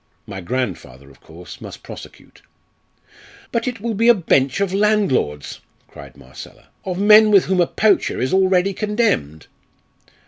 My grandfather, of course, must prosecute." "But it will be a bench of landlords," cried Marcella; "of men with whom a poacher is already condemned."